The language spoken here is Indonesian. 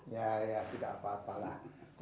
ya ya tidak apa apa lah